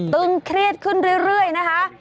ตึงเครียดขึ้นเรื่อยนะคะ